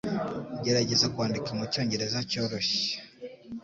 Gerageza kwandika mucyongereza cyoroshye